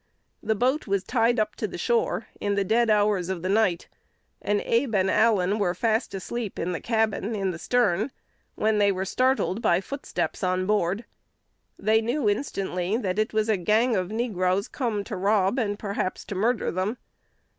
The boat was tied up to the shore, in the dead hours of the night, and Abe and Allen were fast asleep in the "cabin," in the stern, when they were startled by footsteps on board. They knew instantly that it was a gang of negroes come to rob, and perhaps to murder them.